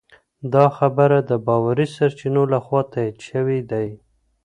دا خبر د باوري سرچینو لخوا تایید شوی دی.